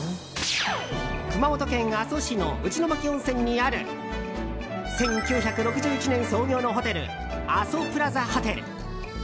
熊本県阿蘇市の内牧温泉にある１９６１年創業のホテル阿蘇プラザホテル。